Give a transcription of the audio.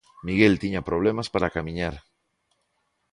Miguel tiña problemas para camiñar.